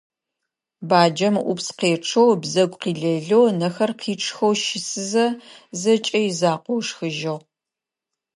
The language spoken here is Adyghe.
Баджэм ыӀупс къечъэу ыбзэгу къилэлэу, ынэхэр къичъхэу щысызэ, зэкӀэ изакъоу ышхыжьыгъ.